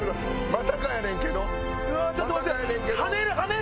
まさかやねんけど。